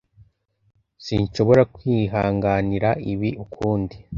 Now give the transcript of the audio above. Sinshobora kwihanganira ibi ukundi.